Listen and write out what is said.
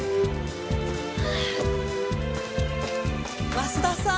増田さん。